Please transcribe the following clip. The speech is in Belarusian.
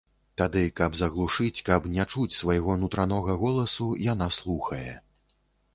Тады, каб заглушыць, каб не чуць свайго нутранога голасу, яна слухае.